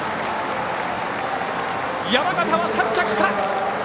山縣は３着か。